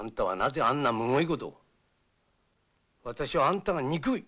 私はあんたが憎い。